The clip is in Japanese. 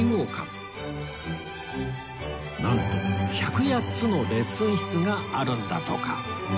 なんと１０８つのレッスン室があるんだとか